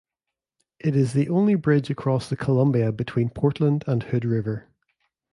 It is the only bridge across the Columbia between Portland and Hood River.